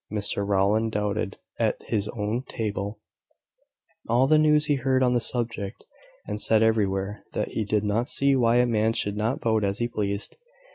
Mr Rowland doubted, at his own table, all the news he heard on the subject, and said everywhere that he did not see why a man should not vote as he pleased.